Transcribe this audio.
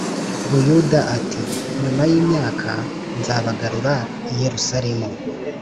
Buyuda ati nyuma y imyaka nzabagarura i Yerusalemu